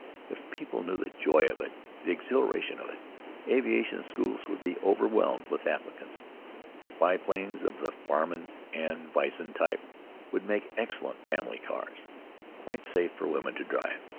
If people knew the joy of it, the exhilaration of it, aviation schools would be overwhelmed with applicants. Biplanes of the Farman and Voisin type would make excellent family cars, quite safe for women to drive.